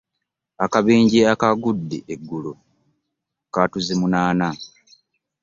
Akabenje akaagudde eggulo kaatuze munaana.